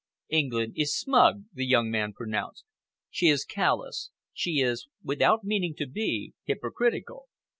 "England is smug," the young man pronounced; "She is callous; she is, without meaning to be, hypocritical.